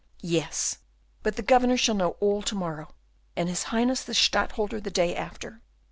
Yes, but the Governor shall know all to morrow, and his Highness the Stadtholder the day after.